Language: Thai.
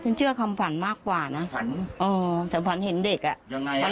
เชื่อคำฝันมากกว่านะฝันอ๋อแต่ฝันเห็นเด็กอ่ะยังไง